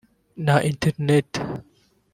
na interineti